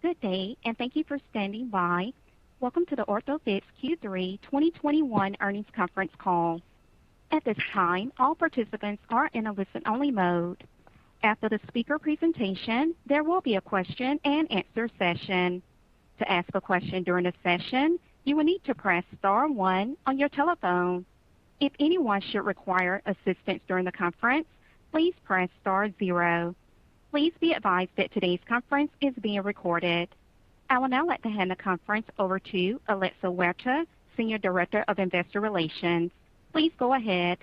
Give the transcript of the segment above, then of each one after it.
Good day, and thank you for standing by. Welcome to the Orthofix Q3 2021 earnings conference call. At this time, all participants are in a listen-only mode. After the speaker presentation, there will be a question-and-answer session. To ask a question during the session, you will need to press star one on your telephone. If anyone should require assistance during the conference, please press star zero. Please be advised that today's conference is being recorded. I will now hand the conference over to Alexa Huerta, Senior Director of Investor Relations. Please go ahead.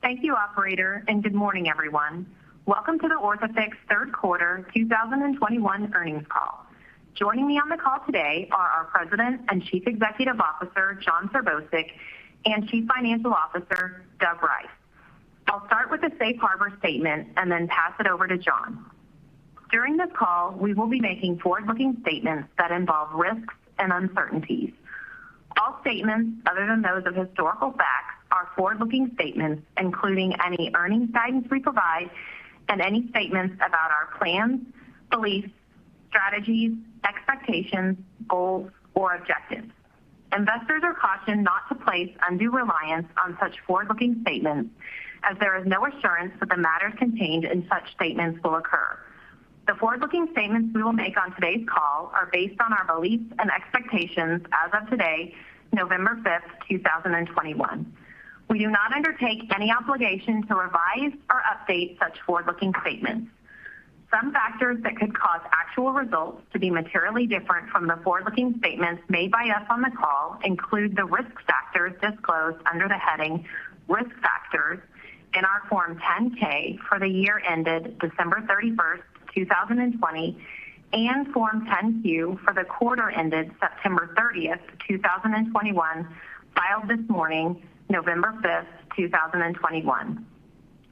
Thank you, operator, and good morning, everyone. Welcome to the Orthofix third quarter 2021 earnings call. Joining me on the call today are our President and Chief Executive Officer, Jon Serbousek, and Chief Financial Officer, Doug Rice. I'll start with the safe harbor statement and then pass it over to Jon. During this call, we will be making forward-looking statements that involve risks and uncertainties. All statements other than those of historical facts are forward-looking statements, including any earnings guidance we provide and any statements about our plans, beliefs, strategies, expectations, goals, or objectives. Investors are cautioned not to place undue reliance on such forward-looking statements as there is no assurance that the matters contained in such statements will occur. The forward-looking statements we will make on today's call are based on our beliefs and expectations as of today, 5 November 2021. We do not undertake any obligation to revise or update such forward-looking statements. Some factors that could cause actual results to be materially different from the forward-looking statements made by us on the call include the risk factors disclosed under the heading Risk Factors in our Form 10-K for the year ended 31 December 2020, and Form 10-Q for the quarter ended 30 September 2021, filed this morning, 5 November 2021,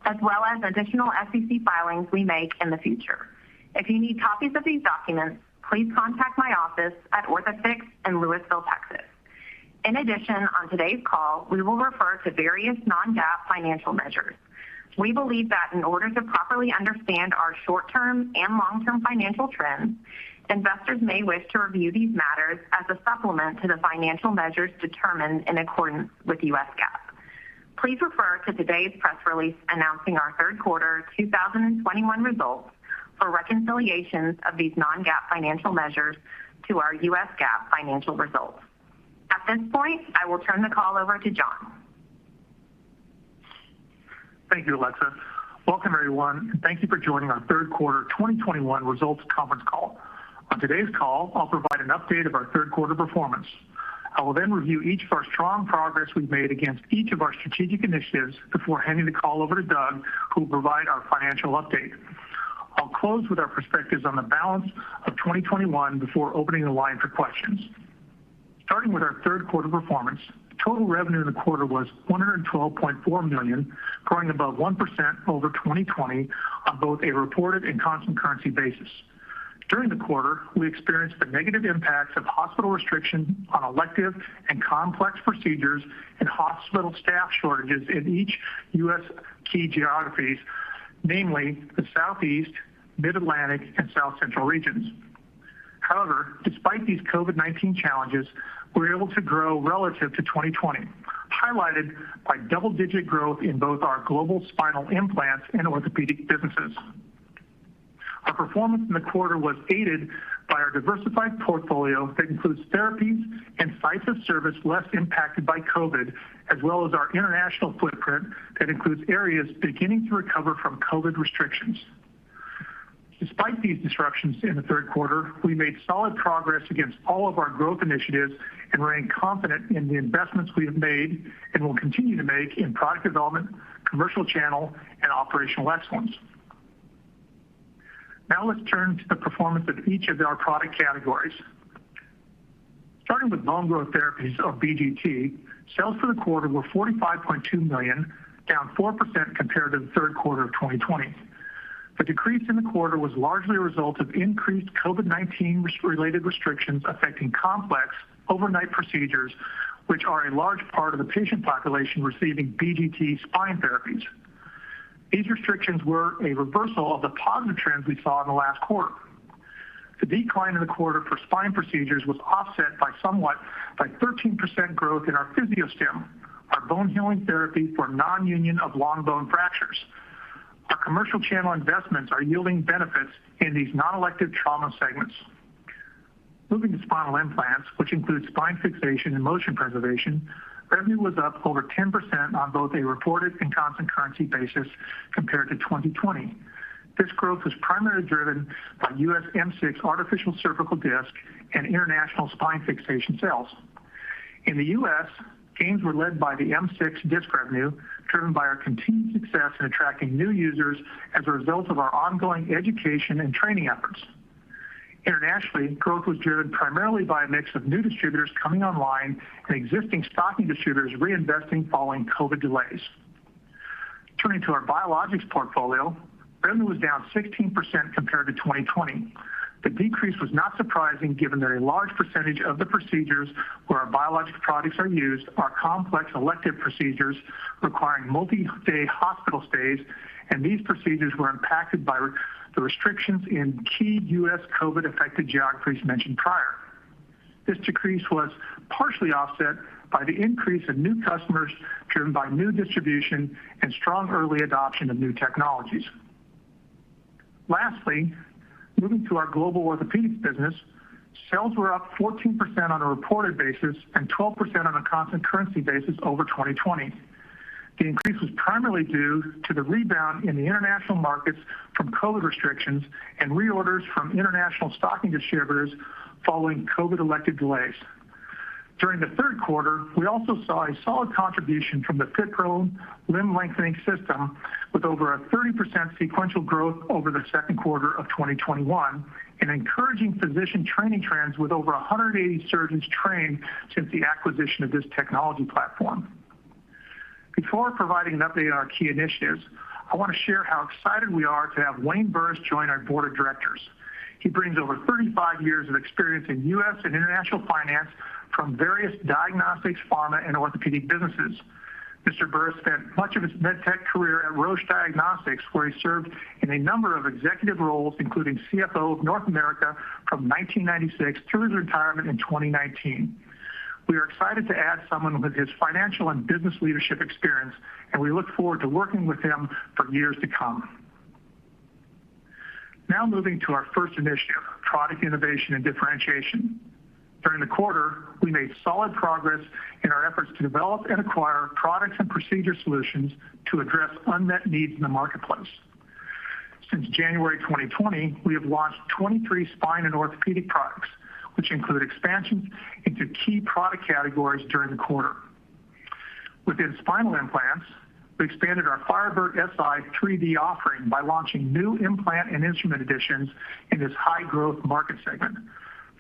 as well as additional SEC filings we make in the future. If you need copies of these documents, please contact my office at Orthofix in Lewisville, Texas. In addition, on today's call, we will refer to various non-GAAP financial measures. We believe that in order to properly understand our short-term and long-term financial trends, investors may wish to review these matters as a supplement to the financial measures determined in accordance with U.S. GAAP. Please refer to today's press release announcing our third quarter 2021 results for reconciliations of these non-GAAP financial measures to our U.S. GAAP financial results. At this point, I will turn the call over to Jon. Thank you, Alexa. Welcome, everyone, and thank you for joining our third quarter 2021 results conference call. On today's call, I'll provide an update of our third quarter performance. I will then review the strong progress we've made against each of our strategic initiatives before handing the call over to Doug, who will provide our financial update. I'll close with our perspectives on the balance of 2021 before opening the line for questions. Starting with our third quarter performance, total revenue in the quarter was $212.4 million, growing above 1% over 2020 on both a reported and constant currency basis. During the quarter, we experienced the negative impacts of hospital restrictions on elective and complex procedures and hospital staff shortages in each U.S. key geography, namely the Southeast, Mid-Atlantic, and South Central regions. However, despite these COVID-19 challenges, we were able to grow relative to 2020, highlighted by double-digit growth in both our global spinal implants and orthopedic businesses. Our performance in the quarter was aided by our diversified portfolio that includes therapies and sites of service less impacted by COVID, as well as our international footprint that includes areas beginning to recover from COVID restrictions. Despite these disruptions in the third quarter, we made solid progress against all of our growth initiatives and remain confident in the investments we have made and will continue to make in product development, commercial channel, and operational excellence. Now let's turn to the performance of each of our product categories. Starting with Bone Growth Therapies (BGT), sales for the quarter were $45.2 million, down 4% compared to the third quarter of 2020. The decrease in the quarter was largely a result of increased COVID-19 related restrictions affecting complex overnight procedures, which are a large part of the patient population receiving BGT spine therapies. These restrictions were a reversal of the positive trends we saw in the last quarter. The decline in the quarter for spine procedures was offset somewhat by 13% growth in our PhysioStim, our bone healing therapy for non-union of long bone fractures. Our commercial channel investments are yielding benefits in these non-elective trauma segments. Moving to spinal implants, which includes spine fixation and motion preservation, revenue was up over 10% on both a reported and constant currency basis compared to 2020. This growth was primarily driven by U.S. M6-C artificial cervical disc and international spine fixation sales. In the U.S., gains were led by the M6-C disc revenue, driven by our continued success in attracting new users as a result of our ongoing education and training efforts. Internationally, growth was driven primarily by a mix of new distributors coming online and existing stocking distributors reinvesting following COVID delays. Turning to our Biologics portfolio, revenue was down 16% compared to 2020. The decrease was not surprising given that a large percentage of the procedures where our Biologics products are used are complex elective procedures requiring multi-day hospital stays, and these procedures were impacted by the restrictions in key U.S. COVID-affected geographies mentioned prior. This decrease was partially offset by the increase in new customers driven by new distribution and strong early adoption of new technologies. Lastly, moving to our global orthopedics business, sales were up 14% on a reported basis and 12% on a constant currency basis over 2020. The increase was primarily due to the rebound in the international markets from COVID restrictions and re-orders from international stocking distributors following COVID elective delays. During the third quarter, we also saw a solid contribution from the Fitbone limb lengthening system with over a 30% sequential growth over the second quarter of 2021 and encouraging physician training trends with over 180 surgeons trained since the acquisition of this technology platform. Before providing an update on our key initiatives, I wanna share how excited we are to have Wayne Burris join our board of directors. He brings over 35 years of experience in U.S. and international finance from various diagnostics, pharma, and orthopedic businesses. Mr. Burris spent much of his med tech career at Roche Diagnostics, where he served in a number of executive roles, including CFO of North America from 1996 through his retirement in 2019. We are excited to add someone with his financial and business leadership experience, and we look forward to working with him for years to come. Now moving to our first initiative, product innovation and differentiation. During the quarter, we made solid progress in our efforts to develop and acquire products and procedure solutions to address unmet needs in the marketplace. Since January 2020, we have launched 23 spine and orthopedic products, which include expansions into key product categories during the quarter. Within spinal implants, we expanded our Firebird SI 3D offering by launching new implant and instrument additions in this high-growth market segment,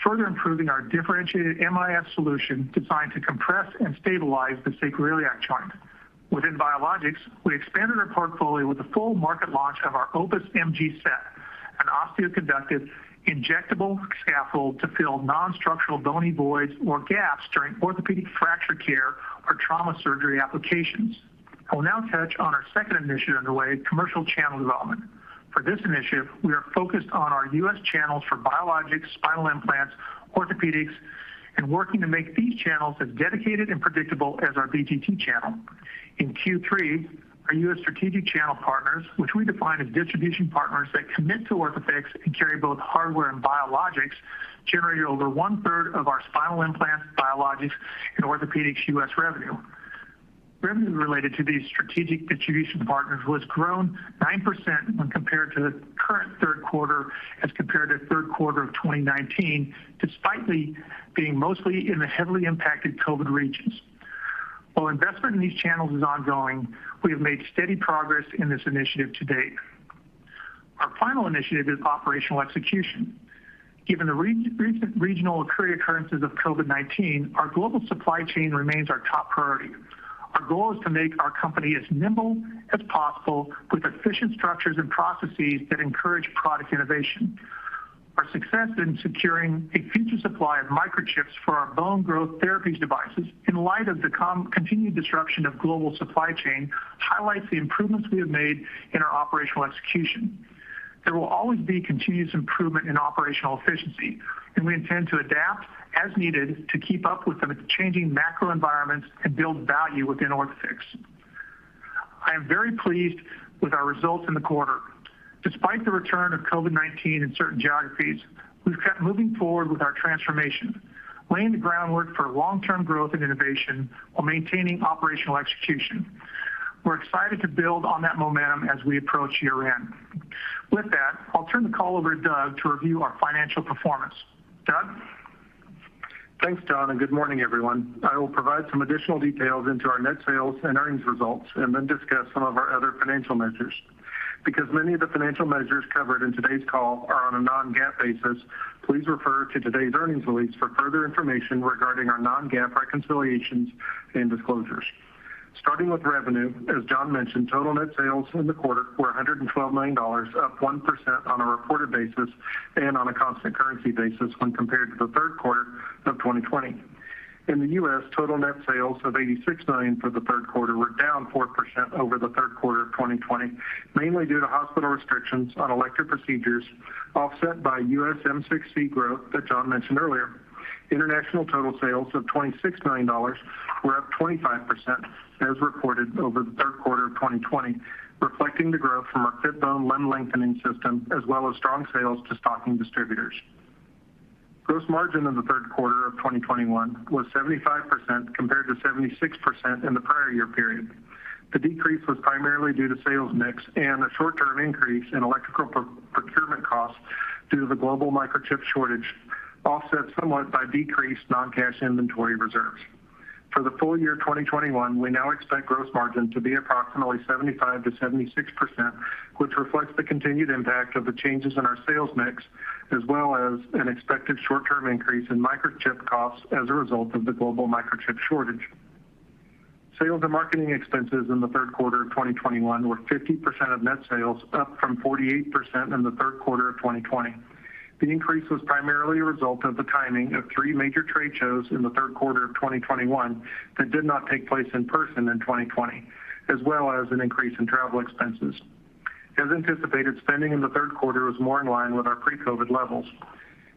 further improving our differentiated MIS solution designed to compress and stabilize the sacroiliac joint. Within Biologics, we expanded our portfolio with the full market launch of our Opus Mg Set, an osteoconductive injectable scaffold to fill non-structural bony voids or gaps during orthopedic fracture care or trauma surgery applications. I will now touch on our second initiative underway, commercial channel development. For this initiative, we are focused on our U.S. channels for Biologics, spinal implants, Orthopedics, and working to make these channels as dedicated and predictable as our BGT channel. In Q3, our U.S. strategic channel partners, which we define as distribution partners that commit to Orthofix and carry both hardware and biologics, generated over 1/3 of our spinal implants, Biologics, and Orthopedics U.S. revenue. Revenue related to these strategic distribution partners was grown 9% when compared to the current third quarter as compared to third quarter of 2019, despite being mostly in the heavily impacted COVID regions. While investment in these channels is ongoing, we have made steady progress in this initiative to date. Our final initiative is operational execution. Given the recent regional occurrences of COVID-19, our global supply chain remains our top priority. Our goal is to make our company as nimble as possible with efficient structures and processes that encourage product innovation. Our success in securing a future supply of microchips for our Bone Growth Therapies devices in light of the continued disruption of global supply chain highlights the improvements we have made in our operational execution. There will always be continuous improvement in operational efficiency, and we intend to adapt as needed to keep up with the changing macro environments and build value within Orthofix. I am very pleased with our results in the quarter. Despite the return of COVID-19 in certain geographies, we've kept moving forward with our transformation, laying the groundwork for long-term growth and innovation while maintaining operational execution. We're excited to build on that momentum as we approach year-end. With that, I'll turn the call over to Doug to review our financial performance. Doug? Thanks, Jon, and good morning, everyone. I will provide some additional details into our net sales and earnings results and then discuss some of our other financial measures. Because many of the financial measures covered in today's call are on a non-GAAP basis, please refer to today's earnings release for further information regarding our non-GAAP reconciliations and disclosures. Starting with revenue, as Jon mentioned, total net sales in the quarter were $112 million, up 1% on a reported basis and on a constant currency basis when compared to the third quarter of 2020. In the U.S., total net sales of $86 million for the third quarter were down 4% over the third quarter of 2020, mainly due to hospital restrictions on elective procedures offset by U.S. M6-C growth that Jon mentioned earlier. International total sales of $26 million were up 25% as reported over the third quarter of 2020, reflecting the growth from our Fitbone limb lengthening system as well as strong sales to stocking distributors. Gross margin in the third quarter of 2021 was 75% compared to 76% in the prior year period. The decrease was primarily due to sales mix and a short-term increase in electrical procurement costs due to the global microchip shortage, offset somewhat by decreased non-cash inventory reserves. For the full year 2021, we now expect gross margin to be approximately 75%-76%, which reflects the continued impact of the changes in our sales mix as well as an expected short-term increase in microchip costs as a result of the global microchip shortage. Sales and marketing expenses in the third quarter of 2021 were 50% of net sales, up from 48% in the third quarter of 2020. The increase was primarily a result of the timing of three major trade shows in the third quarter of 2021 that did not take place in person in 2020, as well as an increase in travel expenses. As anticipated, spending in the third quarter was more in line with our pre-COVID levels.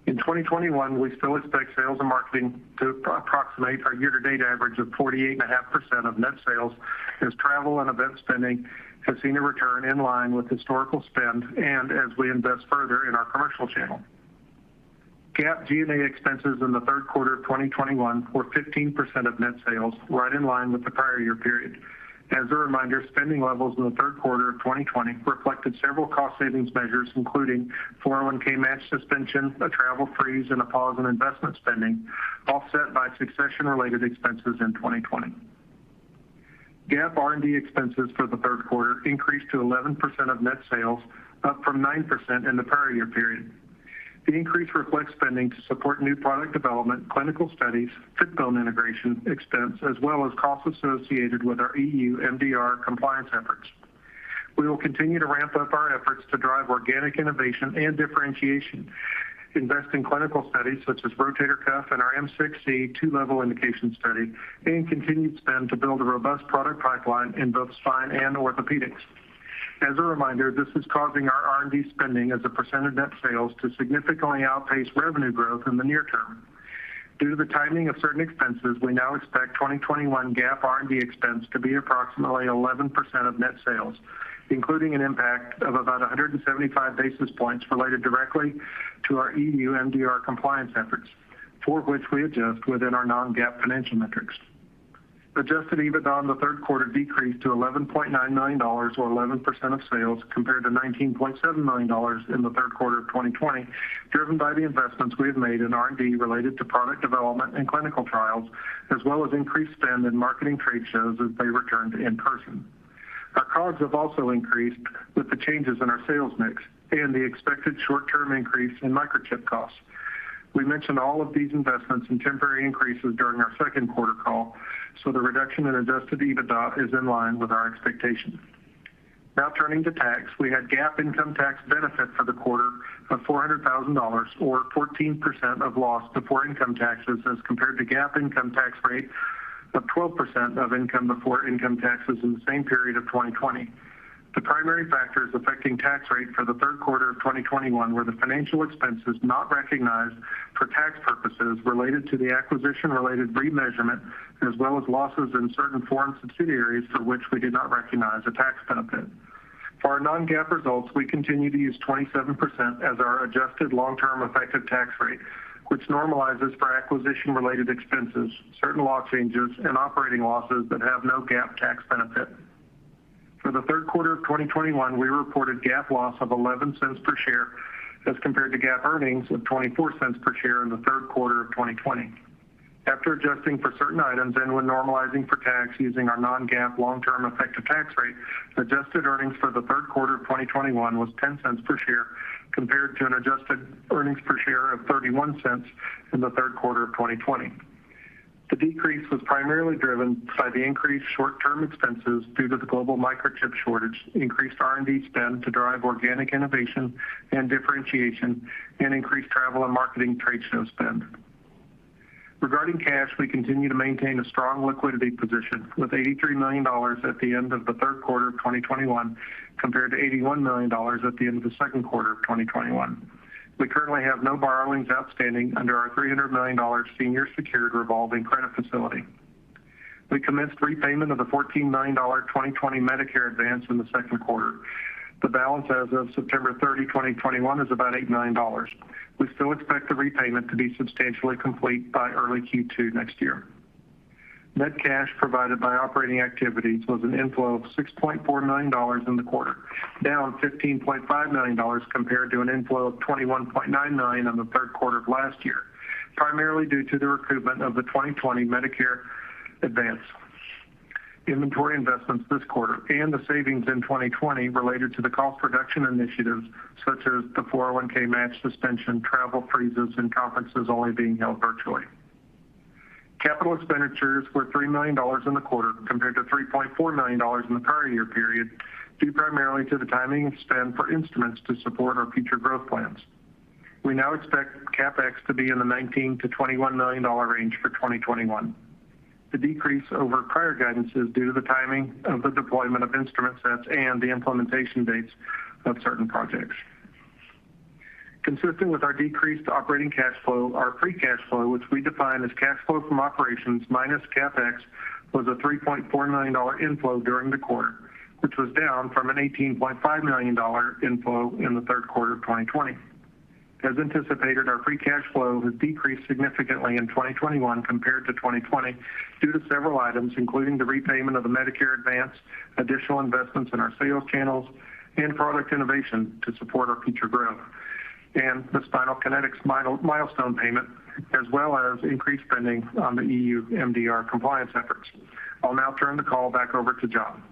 In 2021, we still expect sales and marketing to approximate our year-to-date average of 48.5% of net sales as travel and event spending has seen a return in line with historical spend and as we invest further in our commercial channel. GAAP G&A expenses in the third quarter of 2021 were 15% of net sales, right in line with the prior year period. As a reminder, spending levels in the third quarter of 2020 reflected several cost savings measures, including 401(k) match suspension, a travel freeze, and a pause in investment spending, offset by succession-related expenses in 2020. GAAP R&D expenses for the third quarter increased to 11% of net sales, up from 9% in the prior year period. The increase reflects spending to support new product development, clinical studies, Fitbone integration expense, as well as costs associated with our EU MDR compliance efforts. We will continue to ramp up our efforts to drive organic innovation and differentiation, invest in clinical studies such as rotator cuff and our M6-C two-level indication study, and continued spend to build a robust product pipeline in both spine and orthopedics. As a reminder, this is causing our R&D spending as a percent of net sales to significantly outpace revenue growth in the near term. Due to the timing of certain expenses, we now expect 2021 GAAP R&D expense to be approximately 11% of net sales, including an impact of about 175 basis points related directly to our EU MDR compliance efforts, for which we adjust within our non-GAAP financial metrics. Adjusted EBITDA in the third quarter decreased to $11.9 million or 11% of sales compared to $19.7 million in the third quarter of 2020, driven by the investments we have made in R&D related to product development and clinical trials, as well as increased spend in marketing trade shows as they return to in-person. Our COGS have also increased with the changes in our sales mix and the expected short-term increase in microchip costs. We mentioned all of these investments and temporary increases during our second quarter call, so the reduction in Adjusted EBITDA is in line with our expectations. Now turning to tax. We had GAAP income tax benefit for the quarter of $400,000 or 14% of loss before income taxes as compared to GAAP income tax rate of 12% of income before income taxes in the same period of 2020. The primary factors affecting tax rate for the third quarter of 2021 were the financial expenses not recognized for tax purposes related to the acquisition-related remeasurement, as well as losses in certain foreign subsidiaries for which we did not recognize a tax benefit. For our non-GAAP results, we continue to use 27% as our adjusted long-term effective tax rate, which normalizes for acquisition-related expenses, certain law changes and operating losses that have no GAAP tax benefit. For the third quarter of 2021, we reported GAAP loss of $0.11 per share as compared to GAAP earnings of $0.24 per share in the third quarter of 2020. After adjusting for certain items and when normalizing for tax using our non-GAAP long-term effective tax rate, adjusted earnings for the third quarter of 2021 was $0.10 per share compared to an adjusted earnings per share of $0.31 in the third quarter of 2020. The decrease was primarily driven by the increased short-term expenses due to the global microchip shortage, increased R&D spend to drive organic innovation and differentiation and increased travel and marketing trade show spend. Regarding cash, we continue to maintain a strong liquidity position with $83 million at the end of the third quarter of 2021 compared to $81 million at the end of the second quarter of 2021. We currently have no borrowings outstanding under our $300 million senior secured revolving credit facility. We commenced repayment of the $14 million 2020 Medicare advance in the second quarter. The balance as of 30 September 2021 is about $8 million. We still expect the repayment to be substantially complete by early Q2 next year. Net cash provided by operating activities was an inflow of $6.49 million in the quarter, down $15.50 million compared to an inflow of $21.99 million in the third quarter of last year, primarily due to the recoupment of the 2020 Medicare advance payments this quarter and the savings in 2020 related to the cost reduction initiatives such as the 401(k) match suspension, travel freezes, and conferences only being held virtually. Capital expenditures were $3 million in the quarter compared to $3.4 million in the prior year period, due primarily to the timing of spend for instruments to support our future growth plans. We now expect CapEx to be in the $19-21 million range for 2021. The decrease over prior guidance is due to the timing of the deployment of instrument sets and the implementation dates of certain projects. Consistent with our decreased operating cash flow, our free cash flow, which we define as cash flow from operations minus CapEx, was a $3.4 million inflow during the quarter, which was down from an $18.5 million inflow in the third quarter of 2020. As anticipated, our free cash flow has decreased significantly in 2021 compared to 2020 due to several items, including the repayment of the Medicare advance, additional investments in our sales channels and product innovation to support our future growth, and the Spinal Kinetics milestone payment, as well as increased spending on the EU MDR compliance efforts. I'll now turn the call back over to Jon.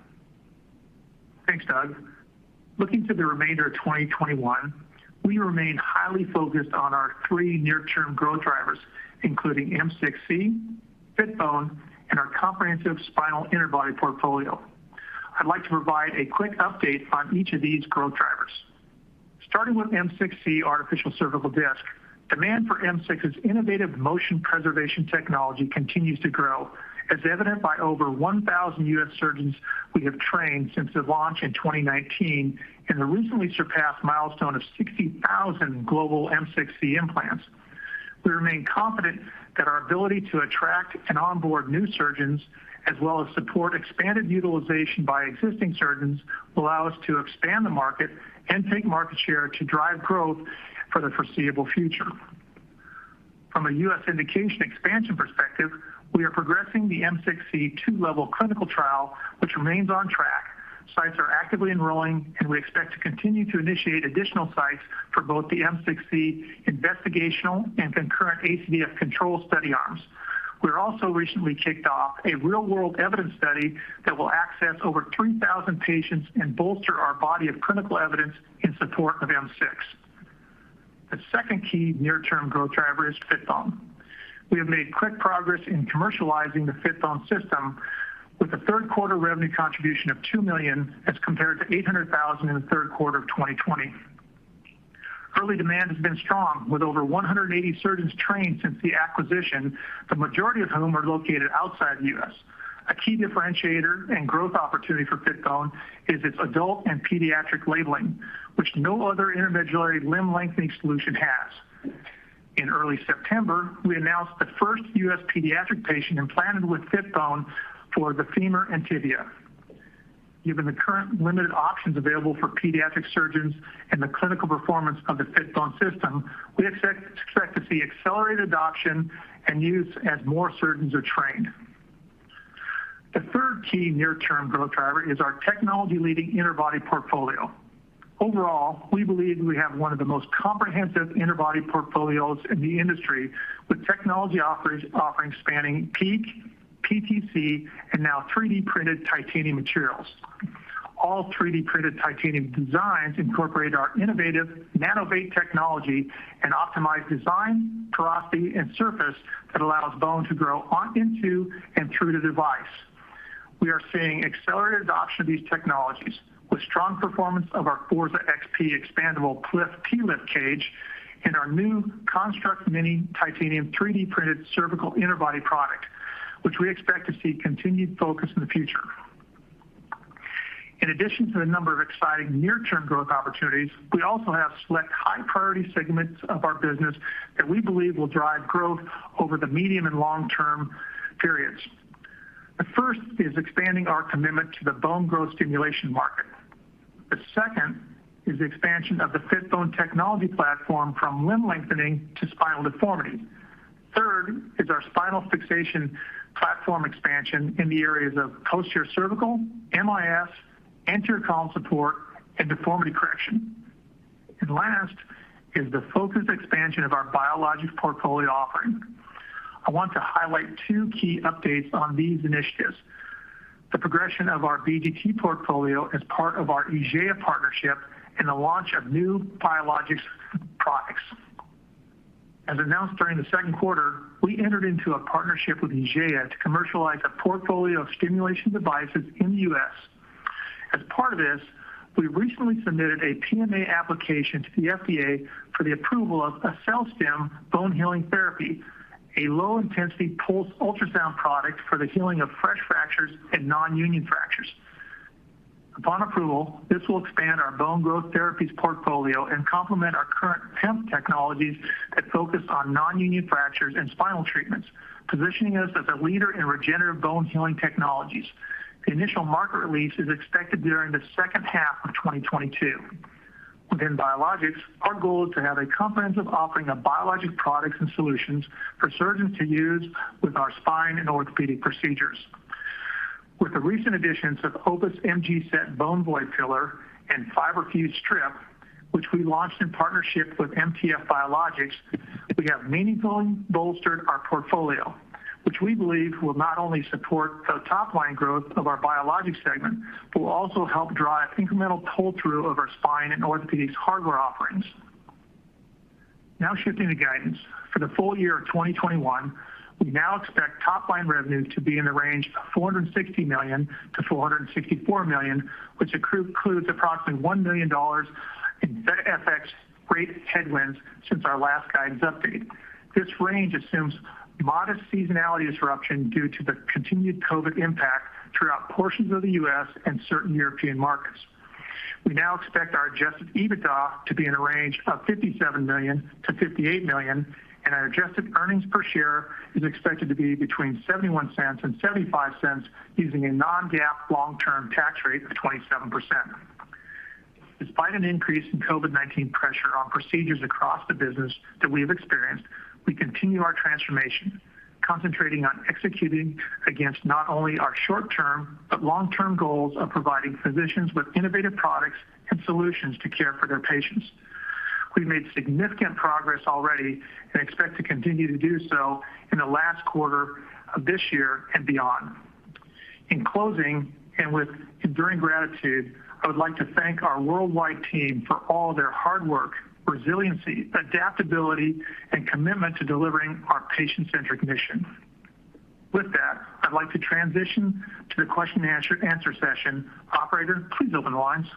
Looking to the remainder of 2021, we remain highly focused on our three near-term growth drivers, including M6-C, Fitbone, and our comprehensive spinal interbody portfolio. I'd like to provide a quick update on each of these growth drivers. Starting with M6-C Artificial Cervical Disc, demand for M6-C's innovative motion preservation technology continues to grow, as evident by over 1,000 U.S. surgeons we have trained since the launch in 2019 and the recently surpassed milestone of 60,000 global M6-C implants. We remain confident that our ability to attract and onboard new surgeons, as well as support expanded utilization by existing surgeons, will allow us to expand the market and take market share to drive growth for the foreseeable future. From a U.S. indication expansion perspective, we are progressing the M6-C two-level clinical trial, which remains on track. Sites are actively enrolling, and we expect to continue to initiate additional sites for both the M6-C investigational and concurrent ACDF control study arms. We also recently kicked off a real-world evidence study that will access over 3,000 patients and bolster our body of clinical evidence in support of M6-C. The second key near-term growth driver is Fitbone. We have made quick progress in commercializing the Fitbone system with a third quarter revenue contribution of $2 million as compared to $800,000 in the third quarter of 2020. Early demand has been strong, with over 180 surgeons trained since the acquisition, the majority of whom are located outside the U.S. A key differentiator and growth opportunity for Fitbone is its adult and pediatric labeling, which no other intramedullary limb lengthening solution has. In early September, we announced the first U.S. pediatric patient implanted with Fitbone for the femur and tibia. Given the current limited options available for pediatric surgeons and the clinical performance of the Fitbone system, we expect to see accelerated adoption and use as more surgeons are trained. The third key near-term growth driver is our technology-leading interbody portfolio. Overall, we believe we have one of the most comprehensive interbody portfolios in the industry with technology offerings spanning PEEK, PTC, and now 3D printed titanium materials. All 3D printed titanium designs incorporate our innovative Nanovate technology and optimize design, porosity, and surface that allows bone to grow on, into, and through the device. We are seeing accelerated adoption of these technologies with strong performance of our FORZA XP Expandable PLIF/TLIF Cage and our new CONSTRUX Mini Titanium 3D-printed Cervical Interbody product, which we expect to see continued focus in the future. In addition to the number of exciting near-term growth opportunities, we also have select high-priority segments of our business that we believe will drive growth over the medium and long-term periods. The first is expanding our commitment to the bone growth stimulation market. The second is the expansion of the Fitbone technology platform from limb lengthening to spinal deformity. Third is our Spine Fixation platform expansion in the areas of posterior cervical, MIS, anterior column support, and deformity correction. Last is the focused expansion of our Biologics portfolio offering. I want to highlight two key updates on these initiatives. The progression of our BGT portfolio as part of our IGEA partnership and the launch of new Biologics products. As announced during the second quarter, we entered into a partnership with IGEA to commercialize a portfolio of stimulation devices in the U.S. As part of this, we recently submitted a PMA application to the FDA for the approval of AccelStim Bone Healing Therapy, a low-intensity pulsed ultrasound product for the healing of fresh fractures and nonunion fractures. Upon approval, this will expand our Bone Growth Therapies portfolio and complement our current PEMF technologies that focus on nonunion fractures and spinal treatments, positioning us as a leader in regenerative bone healing technologies. The initial market release is expected during the second half of 2022. Within Biologics, our goal is to have a comprehensive offering of biologic products and solutions for surgeons to use with our spine and orthopedic procedures. With the recent additions of Opus Mg Set bone void filler and fiberFUSE Strip, which we launched in partnership with MTF Biologics, we have meaningfully bolstered our portfolio, which we believe will not only support the top-line growth of our Biologics segment, but will also help drive incremental pull-through of our Spine and Orthopedics hardware offerings. Now shifting to guidance. For the full year of 2021, we now expect top-line revenue to be in the range of $460 million to $464 million, which includes approximately $1 million in better FX rate headwinds since our last guidance update. This range assumes modest seasonality disruption due to the continued COVID impact throughout portions of the U.S. and certain European markets. We now expect our adjusted EBITDA to be in a range of $57 million to $58 million, and our adjusted earnings per share is expected to be between $0.71 and $0.75 using a non-GAAP long-term tax rate of 27%. Despite an increase in COVID-19 pressure on procedures across the business that we have experienced, we continue our transformation, concentrating on executing against not only our short-term but long-term goals of providing physicians with innovative products and solutions to care for their patients. We've made significant progress already and expect to continue to do so in the last quarter of this year and beyond. In closing, and with enduring gratitude, I would like to thank our worldwide team for all their hard work, resiliency, adaptability, and commitment to delivering our patient-centric mission. With that, I'd like to transition to the question-and-answer session. Operator, please open the lines.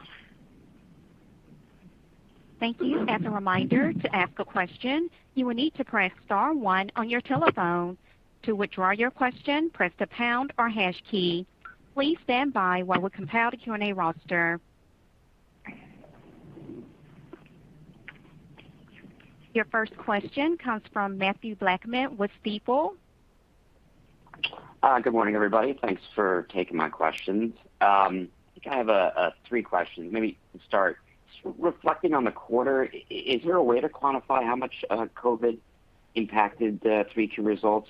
Thank you. As a reminder, to ask a question, you will need to press star one on your telephone. To withdraw your question, press the pound or hash key. Please stand by while we compile the Q&A roster. Your first question comes from Mathew Blackman with Stifel. Good morning, everybody. Thanks for taking my questions. I think I have three questions. Let me start. Reflecting on the quarter, is there a way to quantify how much COVID impacted the Q3 2022 results?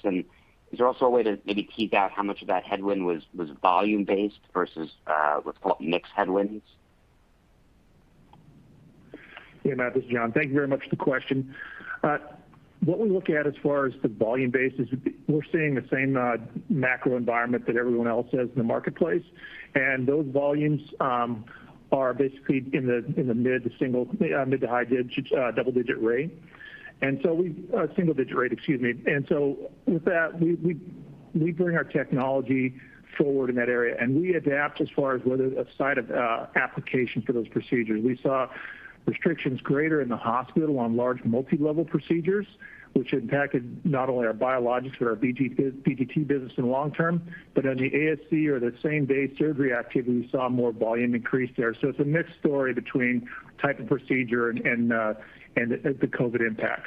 Is there also a way to maybe tease out how much of that headwind was volume-based versus what's called mix headwinds? Yeah, Mathew, this is Jon. Thank you very much for the question. What we look at as far as the volume base is we're seeing the same macro environment that everyone else is in the marketplace. Those volumes are basically in the mid-to-high single-digit rate, excuse me. With that, we bring our technology forward in that area, and we adapt as far as whether a site of application for those procedures. We saw restrictions greater in the hospital on large multi-level procedures, which impacted not only our Biologics or our BGT business in long term, but on the ASC or the same-day surgery activity, we saw more volume increase there. It's a mixed story between type of procedure and the COVID impact.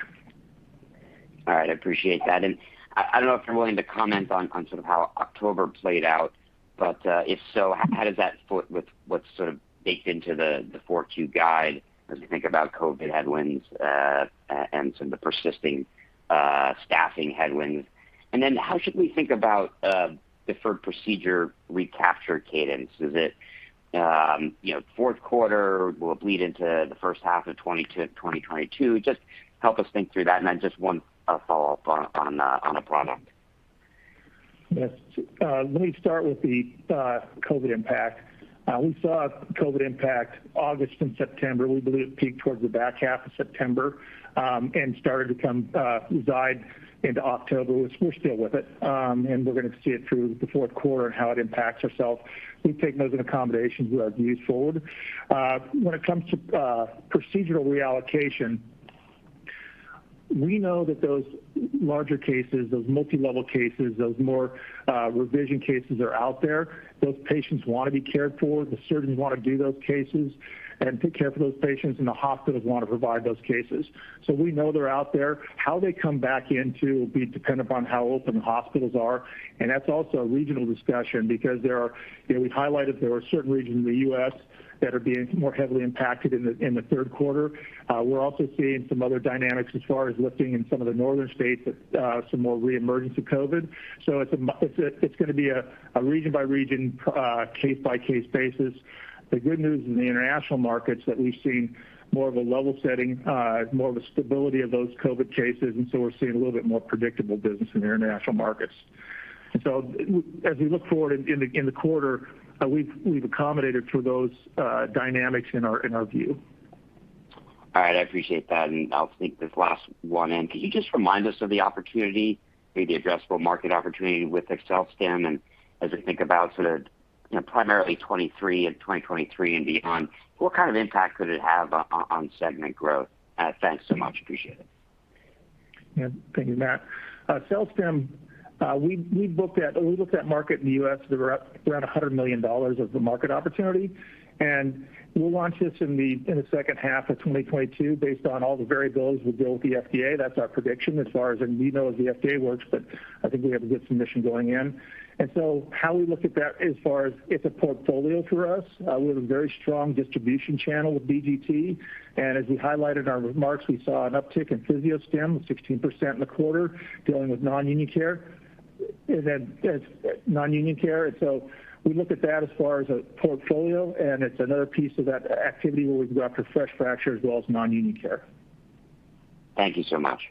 All right. I appreciate that. I don't know if you're willing to comment on sort of how October played out. If so, how does that fit with what's sort of baked into the Q4 guide as we think about COVID headwinds and some of the persisting staffing headwinds. How should we think about deferred procedure recapture cadence? Is it you know, fourth quarter will bleed into the first half of 2022? Just help us think through that. Just one follow-up on a product. Yes. Let me start with the COVID impact. We saw COVID impact August and September. We believe it peaked towards the back half of September, and started to subside into October. We're still with it, and we're going to see it through the fourth quarter and how it impacts us. We take those into account as we move forward. When it comes to procedural reallocation, we know that those larger cases, those multi-level cases, those more revision cases are out there. Those patients want to be cared for, the surgeons want to do those cases and take care of those patients, and the hospitals want to provide those cases. We know they're out there. How they come back in, too, will be dependent upon how open the hospitals are. That's also a regional discussion because there are. You know, we've highlighted there are certain regions in the U.S. that are being more heavily impacted in the third quarter. We're also seeing some other dynamics as far as lifting in some of the northern states with some more reemergence of COVID. It's going to be a region by region, case-by-case basis. The good news in the international markets that we've seen more of a level setting, more of a stability of those COVID cases, and we're seeing a little bit more predictable business in the international markets. As we look forward in the quarter, we've accommodated for those dynamics in our view. All right. I appreciate that. I'll sneak this last one in. Could you just remind us of the opportunity, maybe the addressable market opportunity with AccelStim? As we think about sort of, you know, primarily 2023, in 2023 and beyond, what kind of impact could it have on segment growth? Thanks so much. Appreciate it. Thank you, Matt. AccelStim, we've looked at when we looked at the market in the U.S., there were around $100 million of the market opportunity. We'll launch this in the second half of 2022 based on all the variables we built with the FDA. That's our prediction as far as, and we know how the FDA works, but I think we have a good submission going in. How we look at that as far as it's a portfolio for us. We have a very strong distribution channel with BGT. As we highlighted in our remarks, we saw an uptick in PhysioStim, 16% in the quarter dealing with non-union care. We look at that as far as a portfolio, and it's another piece of that activity where we go after fresh fracture as well as nonunion care. Thank you so much.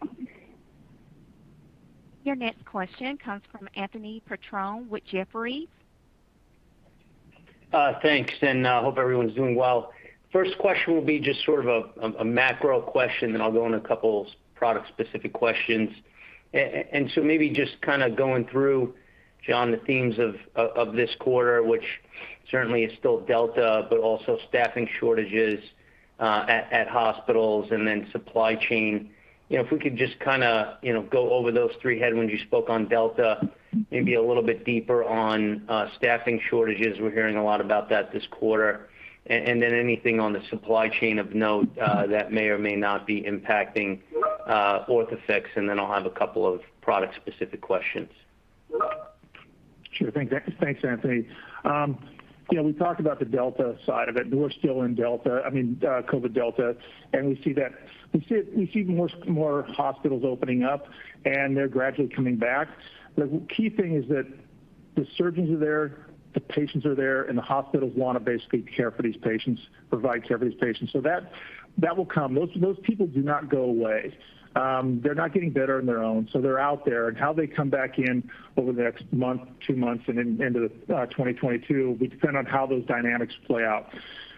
Your next question comes from Anthony Petrone with Jefferies. Thanks, I hope everyone's doing well. First question will be just sort of a macro question, then I'll go on a couple product-specific questions. Maybe just going through, Jon, the themes of this quarter, which certainly is still Delta, but also staffing shortages at hospitals and then supply chain. You know, if we could just go over those three headwinds. You spoke on Delta, maybe a little bit deeper on staffing shortages. We're hearing a lot about that this quarter. Anything on the supply chain of note that may or may not be impacting Orthofix, and then I'll have a couple of product-specific questions. Sure thing. Thanks, Anthony. You know, we talked about the Delta side of it. We're still in Delta, I mean, COVID Delta, and we see more hospitals opening up, and they're gradually coming back. The key thing is that the surgeons are there, the patients are there, and the hospitals want to basically care for these patients, provide care for these patients. That will come. Those people do not go away. They're not getting better on their own, so they're out there. How they come back in over the next month, two months, and into 2022 will depend on how those dynamics play out.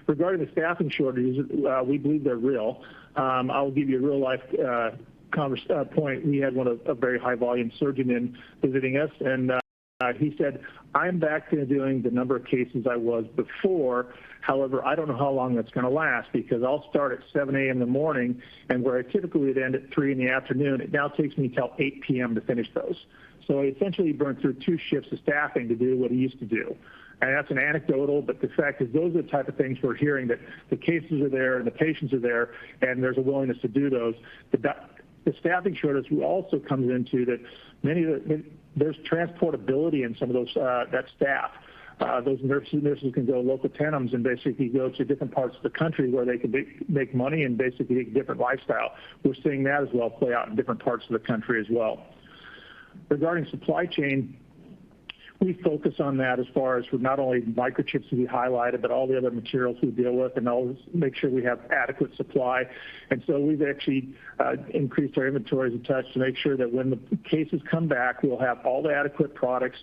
Regarding the staffing shortages, we believe they're real. I'll give you a real-life concrete point. We had one of our very high volume surgeons visiting us, and he said, "I'm back to doing the number of cases I was before. However, I don't know how long that's gonna last because I'll start at 7 A.M. in the morning, and where I typically would end at 3 P.M., it now takes me till 8 P.M. to finish those." He essentially burned through two shifts of staffing to do what he used to do. That's anecdotal, but the fact is those are the type of things we're hearing, that the cases are there, the patients are there, and there's a willingness to do those. The staffing shortage also comes into that. Many of them, there's portability in some of those staff. Those nurses can go locum tenens and basically go to different parts of the country where they could make money and basically a different lifestyle. We're seeing that as well play out in different parts of the country as well. Regarding supply chain, we focus on that as far as for not only microchips that we highlighted, but all the other materials we deal with to make sure we have adequate supply. We've actually increased our inventories a touch to make sure that when the cases come back, we'll have all the adequate products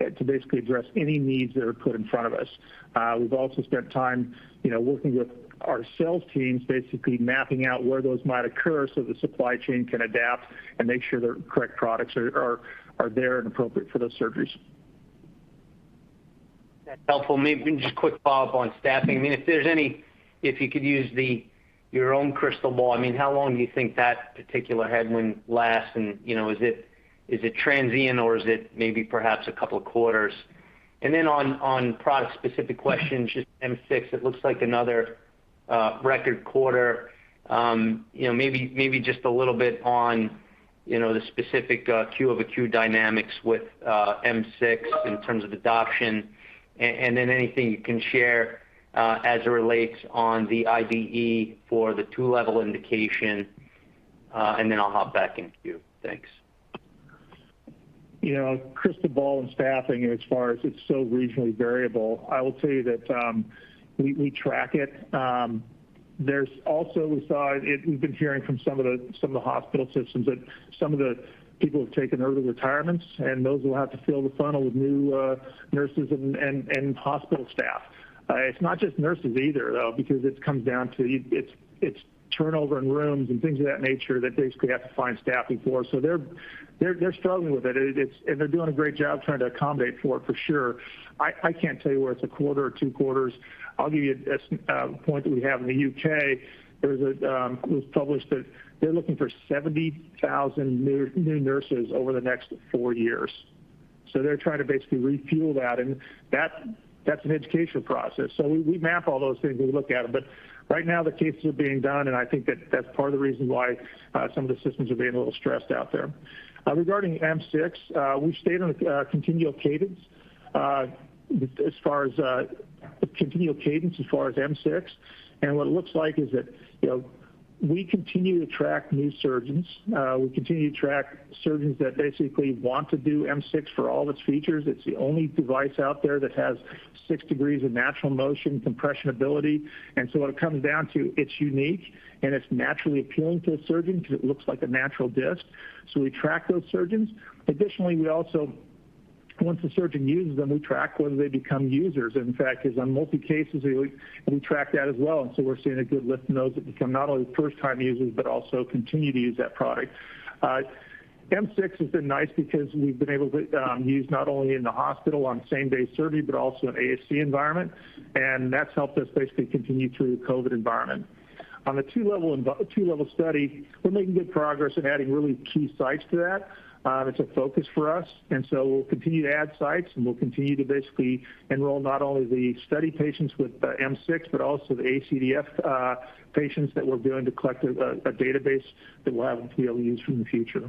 to basically address any needs that are put in front of us. We've also spent time, you know, working with our sales teams, basically mapping out where those might occur so the supply chain can adapt and make sure the correct products are there and appropriate for those surgeries. That's helpful. Maybe just a quick follow-up on staffing. I mean, if you could use your own crystal ball, I mean, how long do you think that particular headwind lasts and you know, is it transient, or is it maybe perhaps a couple of quarters? Then on product-specific questions, just M6, it looks like another record quarter. You know, maybe just a little bit on, you know, the specific Q-over-Q dynamics with M6 in terms of adoption and then anything you can share as it relates to the IDE for the two-level indication, and then I'll hop back in queue. Thanks. You know, crystal ball and staffing, as far as it's so regionally variable, I will tell you that we track it. There's also. We saw it. We've been hearing from some of the hospital systems that some of the people have taken early retirements, and those will have to fill the funnel with new nurses and hospital staff. It's not just nurses either, though, because it comes down to it's turnover in rooms and things of that nature that basically have to find staffing for. They're struggling with it. They're doing a great job trying to accommodate for it, for sure. I can't tell you whether it's a quarter or two quarters. I'll give you a point that we have in the U.K. It was published that they're looking for 70,000 new nurses over the next four years. They're trying to basically refuel that, and that's an education process. We map all those things. We look at them. Right now, the cases are being done, and I think that that's part of the reason why some of the systems are being a little stressed out there. Regarding M6, we've stayed on a continual cadence as far as M6. What it looks like is that, you know, we continue to track new surgeons. We continue to track surgeons that basically want to do M6 for all its features. It's the only device out there that has six degrees of natural motion, compression ability. What it comes down to, it's unique, and it's naturally appealing to a surgeon because it looks like a natural disc. We track those surgeons. Additionally, we also, once a surgeon uses them, we track whether they become users. In fact, on multi cases, we track that as well. We're seeing a good lift in those that become not only first-time users, but also continue to use that product. M6 has been nice because we've been able to use not only in the hospital on same-day surgery, but also in ASC environment, and that's helped us basically continue through the COVID environment. On the two-level study, we're making good progress in adding really key sites to that. It's a focus for us, and so we'll continue to add sites, and we'll continue to basically enroll not only the study patients with M6, but also the ACDF patients that we're doing to collect a database that we'll have to be able to use for in the future.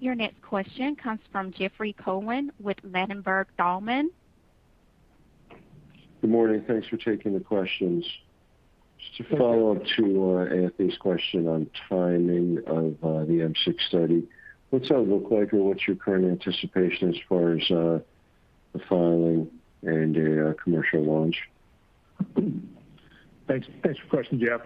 Your next question comes from Jeffrey Cohen with Ladenburg Thalmann. Good morning. Thanks for taking the questions. Yeah. Just to follow up to Anthony's question on timing of the M6 study, what's that look like, or what's your current anticipation as far as the filing and commercial launch? Thanks. Thanks for the question, Jeff.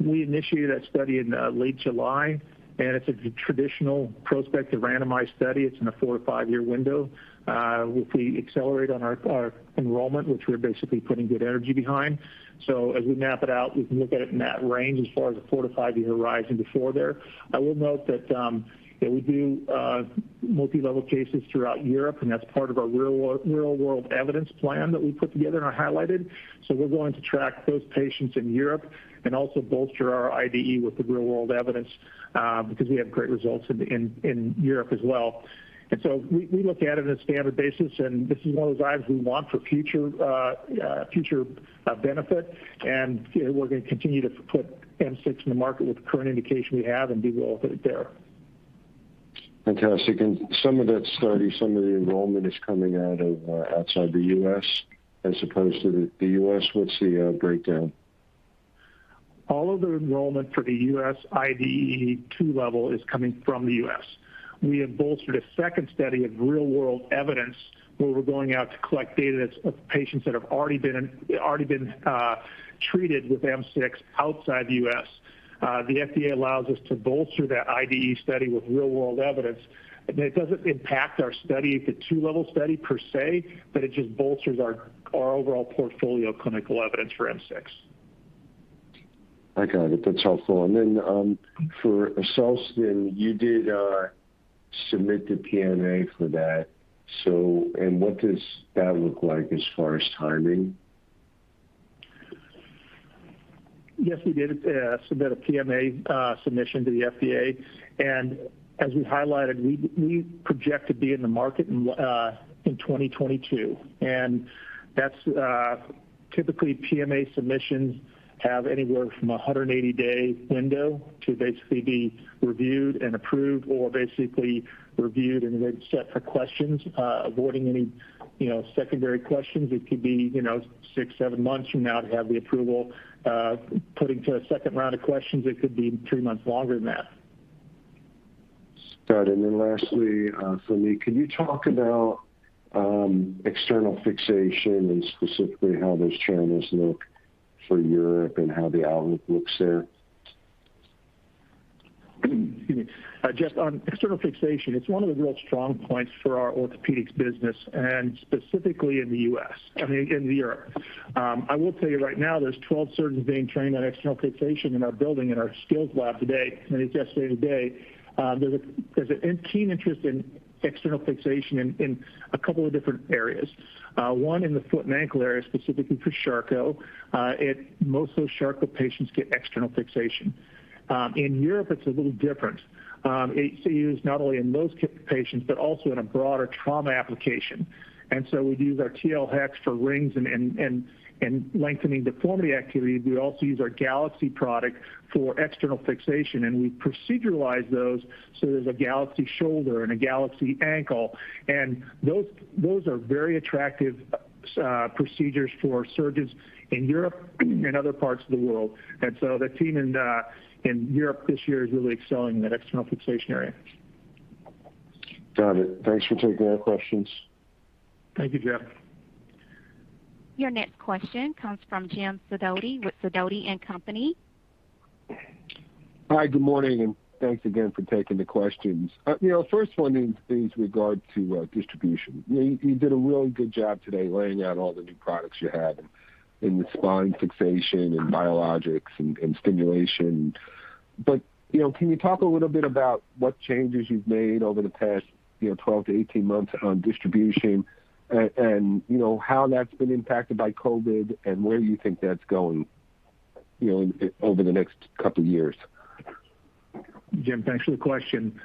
We initiated that study in late July, and it's a traditional prospective randomized study. It's in a four-five year window. If we accelerate on our enrollment, which we're basically putting good energy behind. As we map it out, we can look at it in that range as far as a four-five year horizon before there. I will note that, you know, we do multi-level cases throughout Europe, and that's part of our real-world evidence plan that we put together and I highlighted. We're going to track those patients in Europe and also bolster our IDE with the real-world evidence, because we have great results in Europe as well. We look at it on a standard basis, and this is one of those IDEs we want for future benefit. You know, we're gonna continue to put M6 in the market with the current indication we have and we all put it there. Fantastic. Some of that study, some of the enrollment is coming out of outside the U.S. as opposed to the U.S. What's the breakdown? All of the enrollment for the U.S. IDE two-level is coming from the U.S., we have bolstered a second study of real-world evidence, where we're going out to collect data that's of patients that have already been treated with M6 outside the U.S. The FDA allows us to bolster that IDE study with real-world evidence. It doesn't impact our study, the two-level study per se, but it just bolsters our overall portfolio clinical evidence for M6. I got it. That's helpful. For AccelStim, you did submit the PMA for that. What does that look like as far as timing? Yes, we did submit a PMA submission to the FDA. As we highlighted, we project to be in the market in 2022. That's typically PMA submissions have anywhere from a 180-day window to basically be reviewed and approved or basically reviewed, and they'd send for questions, avoiding any secondary questions. It could be six-seven months from now to have the approval. Put into a second round of questions, it could be three months longer than that. Got it. Lastly, for me, can you talk about external fixation and specifically how those channels look for Europe and how the outlook looks there? Excuse me. Jeff, on external fixation, it's one of the real strong points for our Orthopedics business, and specifically in the U.S. I mean, in Europe. I will tell you right now, there's 12 surgeons being trained on external fixation in our building in our skills lab today, and it's yesterday today. There's an intense interest in external fixation in a couple of different areas. One in the foot and ankle area, specifically for Charcot. Most of those Charcot patients get external fixation. In Europe, it's a little different. It's used not only in those Charcot patients, but also in a broader trauma application. We'd use our TL-HEX for rings and lengthening deformity activities. We'd also use our Galaxy product for external fixation, and we proceduralize those, so there's a Galaxy shoulder and a Galaxy ankle. Those are very attractive procedures for surgeons in Europe and other parts of the world. The team in Europe this year is really excelling in that external fixation area. Got it. Thanks for taking our questions. Thank you, Jeff. Your next question comes from Jim Sidoti with Sidoti & Company. Hi. Good morning, and thanks again for taking the questions. You know, first one in this regard to distribution. You did a really good job today laying out all the new products you have in the Spine Fixation and Biologics and stimulation. You know, can you talk a little bit about what changes you've made over the past 12-18 months on distribution and how that's been impacted by COVID and where you think that's going, you know, over the next couple years? Jim, thanks for the question.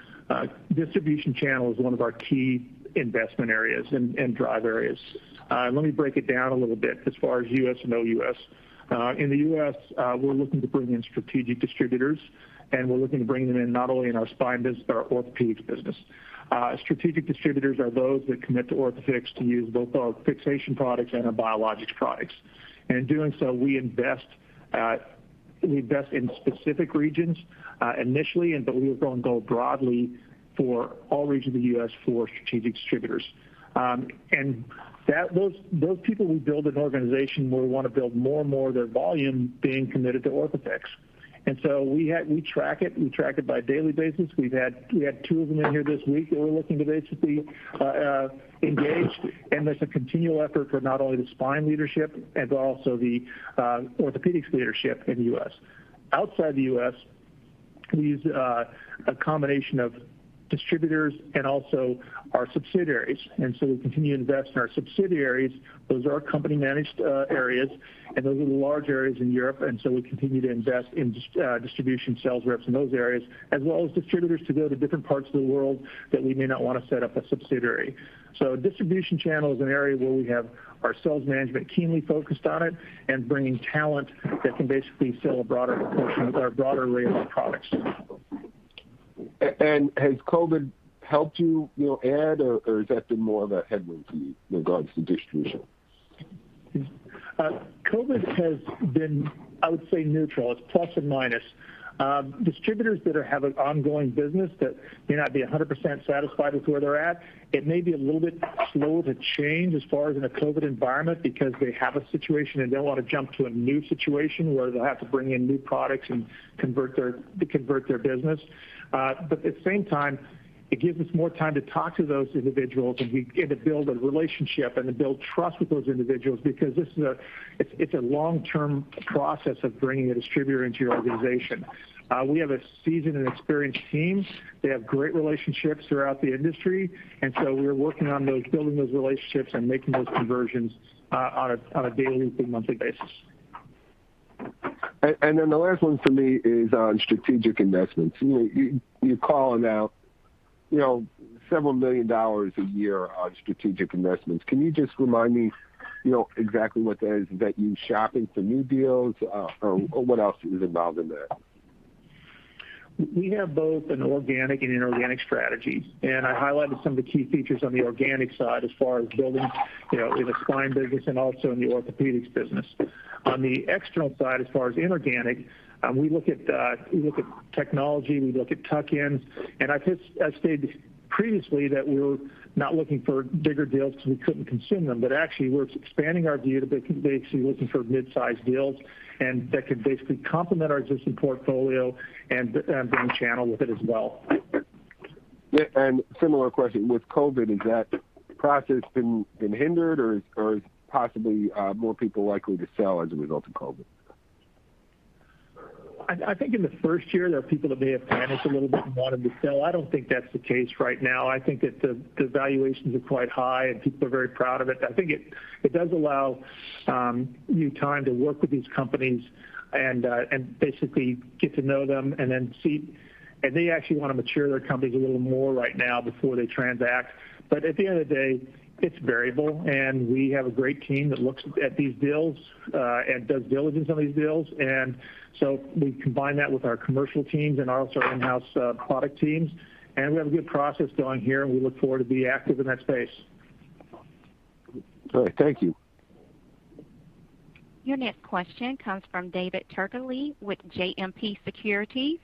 Distribution channel is one of our key investment areas and drive areas. Let me break it down a little bit as far as U.S. and O.U.S. In the U.S., we're looking to bring in strategic distributors and we're looking to bring them in not only in our Orthopedics business. Strategic distributors are those that commit to Orthofix to use both our fixation products and our Biologics products. In doing so, we invest in specific regions, initially, and but we are gonna go broadly for all regions of the U.S. for strategic distributors. Those people we build an organization where we wanna build more and more of their volume being committed to Orthofix. We track it. We track it on a daily basis. We had two of them in here this week that we're looking to basically engage. There's a continual effort for not only the Spine leadership and also the Orthopedics leadership in the U.S. Outside the U.S., we use a combination of distributors and also our subsidiaries. We continue to invest in our subsidiaries. Those are our company managed areas, and those are the large areas in Europe. We continue to invest in distribution sales reps in those areas, as well as distributors to go to different parts of the world that we may not wanna set up a subsidiary. Distribution channel is an area where we have our sales management keenly focused on it and bringing talent that can basically sell a broader portion or a broader range of products. Has COVID helped you know, add or has that been more of a headwind to you with regard to distribution? COVID has been, I would say, neutral. It's plus and minus. Distributors that have an ongoing business that may not be 100% satisfied with where they're at, it may be a little bit slow to change as far as in a COVID environment because they have a situation, and they'll want to jump to a new situation where they'll have to bring in new products and convert their business. But at the same time, it gives us more time to talk to those individuals, and we get to build a relationship and to build trust with those individuals because this is a long-term process of bringing a distributor into your organization. We have a seasoned and experienced team. They have great relationships throughout the industry, and so we're working on those, building those relationships and making those conversions on a daily to monthly basis. The last one for me is on strategic investments. You're calling out, you know, several million dollars a year on strategic investments. Can you just remind me, you know, exactly what that is? Is that you shopping for new deals, or what else is involved in that? We have both an organic and inorganic strategy. I highlighted some of the key features on the organic side as far as building, you know, in the spine business and also in the orthopedics business. On the external side, as far as inorganic, we look at technology, we look at tuck-ins, and I stated previously that we're not looking for bigger deals because we couldn't consume them. Actually, we're expanding our view to basically looking for mid-sized deals and that could basically complement our existing portfolio and bring channel with it as well. Yeah. Similar question, with COVID, has that process been hindered or is possibly more people likely to sell as a result of COVID? I think in the first year, there are people that may have panicked a little bit and wanted to sell. I don't think that's the case right now. I think that the valuations are quite high, and people are very proud of it. I think it does allow you time to work with these companies and basically get to know them, and they actually wanna mature their companies a little more right now before they transact. At the end of the day, it's variable, and we have a great team that looks at these deals and does diligence on these deals. We combine that with our commercial teams and also our in-house product teams. We have a good process going here, and we look forward to be active in that space. All right. Thank you. Your next question comes from David Turkaly with JMP Securities.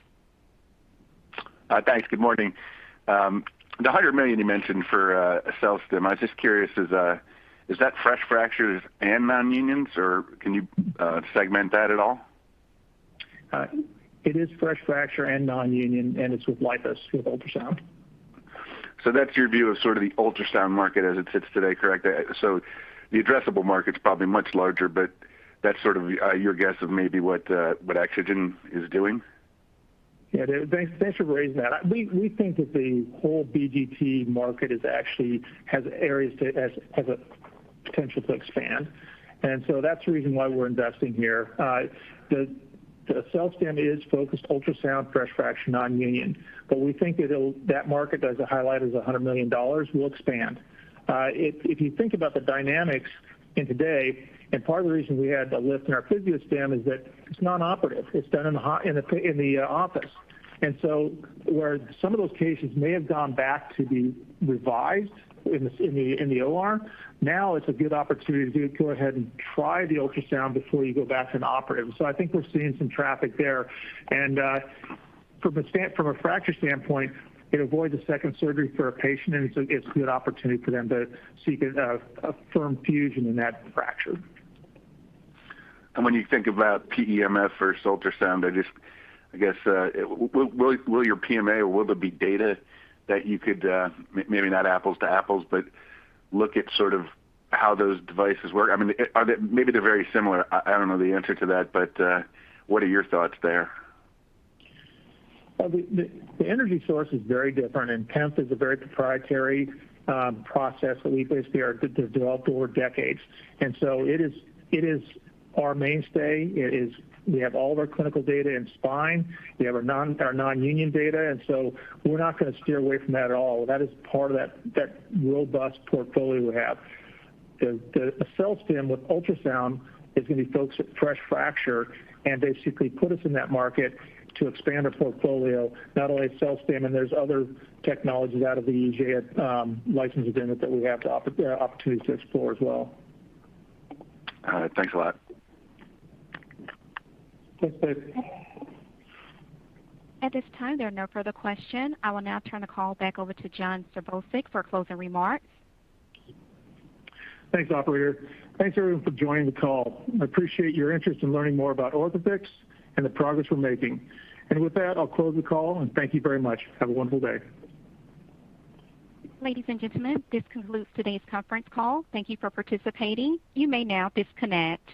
Thanks. Good morning. The $100 million you mentioned for AccelStim, I was just curious, is that fresh fractures and nonunions, or can you segment that at all? It is fresh fracture and nonunion, and it's with LIPUS with ultrasound. That's your view of sort of the ultrasound market as it sits today, correct? The addressable market's probably much larger, but that's sort of your guess of maybe what Axogen is doing. Yeah, David, thanks for raising that. We think that the whole BGT market has a potential to expand. That's the reason why we're investing here. The AccelStim is focused ultrasound, fresh fracture nonunion, but we think that market, as I highlighted, is $100 million will expand. If you think about the dynamics today, part of the reason we had the lift in our PhysioStim is that it's non-operative. It's done in the office. Where some of those cases may have gone back to be revised in the OR, now it's a good opportunity to go ahead and try the ultrasound before you go back to an operative. I think we're seeing some traffic there. From a fracture standpoint, it avoids a second surgery for a patient, and it's a good opportunity for them to seek a firm fusion in that fracture. When you think about PEMF versus ultrasound, I just I guess will your PMA or will there be data that you could maybe not apples to apples, but look at sort of how those devices work? I mean, are they maybe very similar? I don't know the answer to that, but what are your thoughts there? Well, the energy source is very different, and PEMF is a very proprietary process that we basically are developed over decades. It is our mainstay. We have all of our clinical data in spine. We have our nonunion data. We're not gonna steer away from that at all. That is part of that robust portfolio we have. The AccelStim with ultrasound is gonna be focused at fresh fracture and basically put us in that market to expand our portfolio, not only at AccelStim, and there's other technologies out of the IGEA license agreement that we have opportunities to explore as well. All right. Thanks a lot. Thanks, Dave. At this time, there are no further question. I will now turn the call back over to Jon Serbousek for closing remarks. Thanks, operator. Thanks, everyone, for joining the call. I appreciate your interest in learning more about Orthofix and the progress we're making. With that, I'll close the call, and thank you very much. Have a wonderful day. Ladies and gentlemen, this concludes today's conference call. Thank you for participating. You may now disconnect.